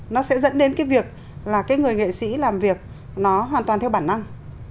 nó sẽ dẫn đến cái việc là cái người nghệ sĩ làm việc nó hoàn toàn theo bản năng